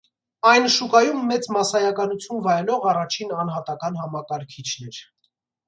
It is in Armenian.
Այն շուկայում մեծ մասայականություն վայելող առաջին անհատական համակարգիչն էր։